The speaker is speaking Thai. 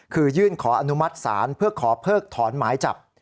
คือยื่นขออนุมัติศาลเพื่อขอเพิกถอนหมายจับ